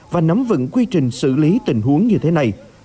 và nắm vững quy trình xử lý tình huống như thế này